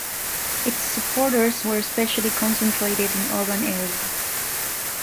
Its supporters were especially concentrated in urban areas.